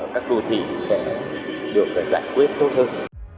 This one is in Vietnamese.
các đô thị sẽ được giải quyết tốt hơn